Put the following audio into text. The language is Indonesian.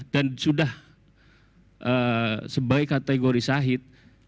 dan sudah sebagai kategori syahid